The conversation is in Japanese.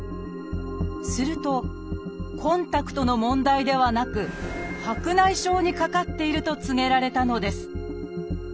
するとコンタクトの問題ではなく白内障にかかっていると告げられたのです。